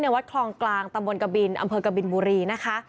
วัดคลองกลางตำบลกบินอำเภอกบินบุรีนะคะ